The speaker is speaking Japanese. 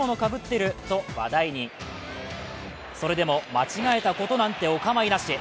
それでも間違えたことなんてお構いなし。